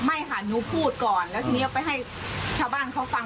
ไม่ค่ะหนูพูดก่อนแล้วทีนี้เอาไปให้ชาวบ้านเขาฟัง